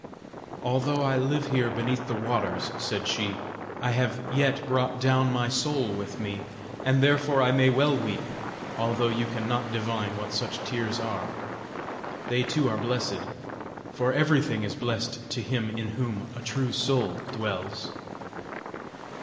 "Although I live here beneath the waters," said she, "I have yet brought down my soul with me; and therefore I may well weep, although you can not divine what such tears are. They too are blessed, for everything is blessed to him in whom a true soul dwells."